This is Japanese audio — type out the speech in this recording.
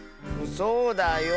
そうだよ。